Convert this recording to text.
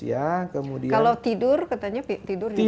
kalau tidur katanya tidak penting